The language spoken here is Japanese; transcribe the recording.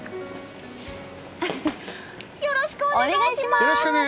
よろしくお願いします！